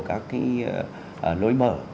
các cái lối mở